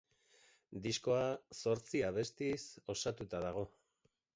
Diskoa zortzi abestiz osatuta dago.